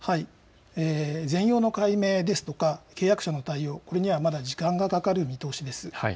全容の解明ですとか契約者の対応、これにはまだ時間がかかる見通しです。